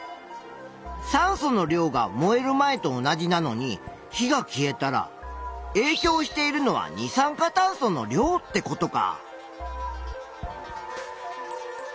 酸素の量が燃える前と同じなのに火が消えたらえいきょうしているのは二酸化炭素の量ってことか。